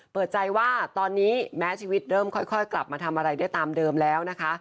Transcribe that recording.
เปิดใจว่าตอนนี้แม้ชีวิตเริ่มค่อยกลับมาทำอะไรได้ตามเดิมแล้วนะคะ